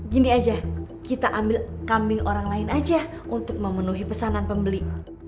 gini aja kita ambil kambing orang lain aja untuk memenuhi pesanan pembeli